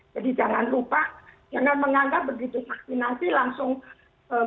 jadi jangan lupa jangan menganggap begitu vaksinasi langsung gantung masker